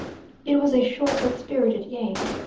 It was a short but spirited game.